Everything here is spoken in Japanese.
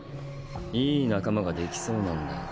良い仲間ができそうなんだよ